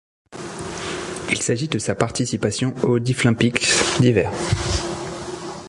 Il s'agit de sa participation aux Deaflympics d'hiver.